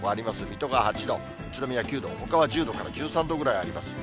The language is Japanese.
水戸が８度、宇都宮９度、ほかは１０度から１３度ぐらいあります。